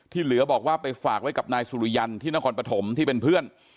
เหลือบอกว่าไปฝากไว้กับนายสุริยันที่นครปฐมที่เป็นเพื่อน